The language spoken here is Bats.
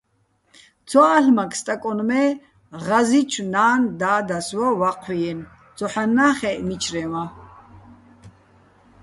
ცო ა́ლ'მაკ სტაკონ, მე: "ღაზი́ჩო̆ ნა́ნ-და́დას ვა ვაჴვიენო̆", - ცოჰ̦ანნა́ ხეჸ, მიჩრეჼ ვა.